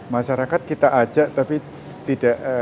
masyarakat kita ajak tapi tidak